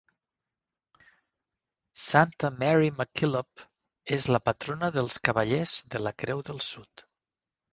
Santa Mary MacKillop és la patrona dels Cavallers de la Creu del Sud.